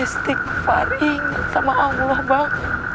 stick far inget sama allah bang